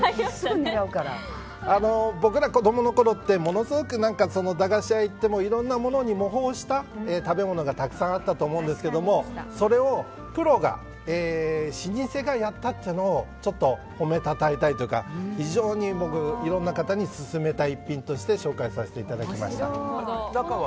僕ら子供のころってものすごく駄菓子屋に行ってもいろんなものに模倣した食べ物がたくさんあったと思うんですがそれをプロが老舗がやったというのを褒め称えたいというか非常にいろいろな方に薦めたい一品として紹介しました。